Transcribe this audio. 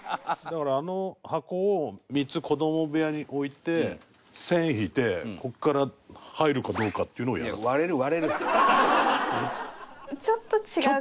だからあの箱を３つ子ども部屋に置いて線引いてここから入るかどうかっていうのをやる。